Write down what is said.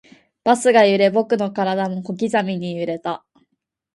バスが揺れ、僕の体も小刻みに揺れた